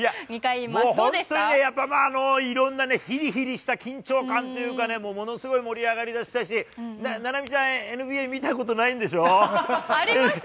本当にね、やっぱね、いろんなひりひりした緊張感というかね、ものすごい盛り上がりでしたし、菜波ちゃん、ＮＢＡ見たことないんでしょ？ありますよ。